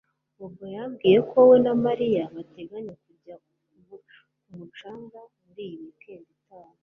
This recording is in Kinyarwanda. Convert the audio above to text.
Bobo yambwiye ko we na Mariya bateganya kujya ku mucanga muri iyi weekend itaha